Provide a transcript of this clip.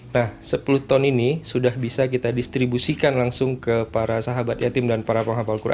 nah sepuluh ton ini sudah bisa kita distribusikan langsung ke para sahabat yatim dan para penghapal quran